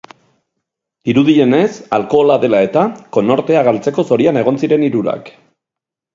Dirudienez, alkohola dela eta, konortea galtzeko zorian egon ziren hirurak.